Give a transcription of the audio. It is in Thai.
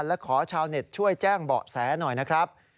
และขอชาวเน็ตช่วยแจ้งเบาะแสหน่อยนะครับ